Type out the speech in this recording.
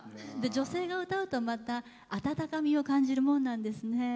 女性が歌うとまた温かみを感じるもんなんですね。